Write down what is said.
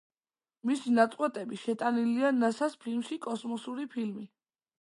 მისი ნაწყვეტები შეტანილია ნასას ფილმში კოსმოსური ფილმი.